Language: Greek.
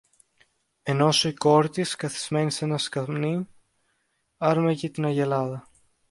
ενόσω η κόρη της, καθισμένη σ' ένα σκαμνί, άρμεγε την αγελάδα.